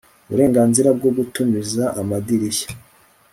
uburenganzira bwo gutumiza amadirishya